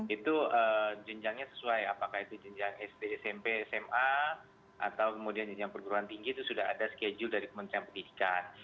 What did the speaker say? itu jenjangnya sesuai apakah itu jenjang sd smp sma atau kemudian jenjang perguruan tinggi itu sudah ada schedule dari kementerian pendidikan